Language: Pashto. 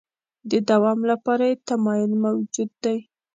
د دوام لپاره یې تمایل موجود دی.